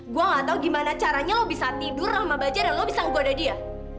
gue nggak tahu gimana caranya lo bisa tidur sama baja dan lo bisa menggoda dia